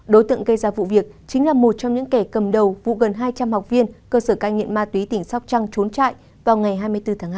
đối tượng gây ra vụ việc chính là một trong những kẻ cầm đầu vụ gần hai trăm linh học viên cơ sở cai nghiện ma túy tỉnh sóc trăng trốn chạy vào ngày hai mươi bốn tháng hai